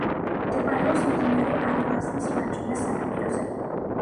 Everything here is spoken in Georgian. მდებარეობს მდინარე ალაზნის მარჯვენა ნაპირზე.